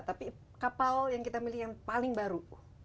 tapi kapal yang kita milih yang paling baru